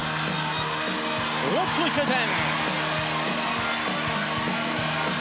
おっと、１回転！